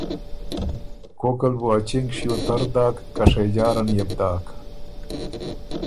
کوکل بو ا چِنګ شیو تر داک کشېجاره نيې بو داک۔